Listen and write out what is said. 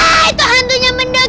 heee itu hantunya mendekat